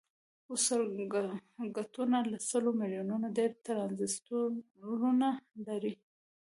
اوس سرکټونه له سلو میلیونو ډیر ټرانزیسټرونه لري.